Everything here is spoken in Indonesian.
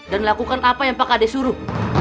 dan lakukan apa yang pak hades suruh